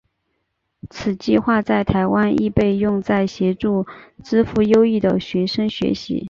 此计画在台湾亦被用在协助资赋优异的学生学习。